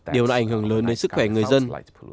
điều này ảnh hưởng lớn đến sức khỏe người dân